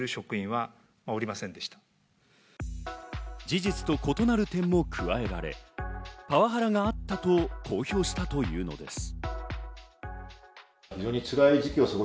事実と異なる点も加えられ、パワハラがあったと公表したというのです。